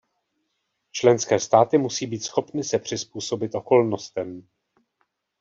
Členské státy musí být schopny se přizpůsobit okolnostem.